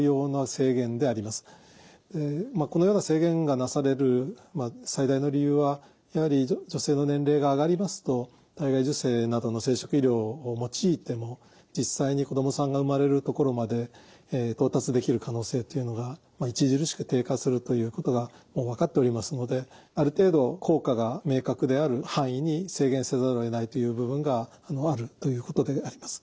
このような制限がなされる最大の理由はやはり女性の年齢が上がりますと体外受精などの生殖医療を用いても実際に子どもさんが生まれるところまで到達できる可能性というのが著しく低下するということがもう分かっておりますのである程度効果が明確である範囲に制限せざるをえないという部分があるということであります。